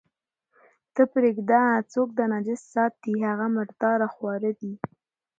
ته پرېږده، څوک چې دا نجس ساتي، هغه مرداره خواره دي.